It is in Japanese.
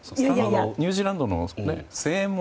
ニュージーランドの声援も。